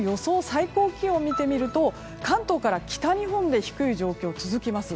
最高気温を見てみると関東から北日本で低い状況続きます。